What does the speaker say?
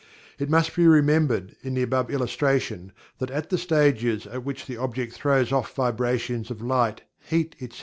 It must be remembered, in the above illustration, that at the stages at which the "object" throws off vibrations of light, heat, etc.